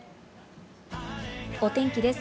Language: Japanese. お天気です。